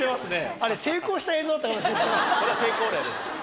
あれは成功例です。